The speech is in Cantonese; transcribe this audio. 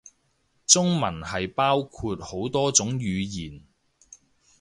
中文係包括好多種語言